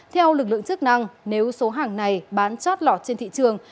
theo lực lượng chức năng nếu số hàng này bán chót lọt trên thị trường